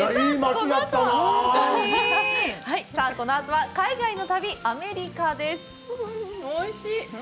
このあとは海外の旅アメリカです。